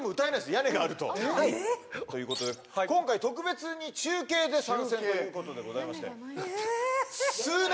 屋根があるとということで今回特別に中継で参戦ということでございましてええ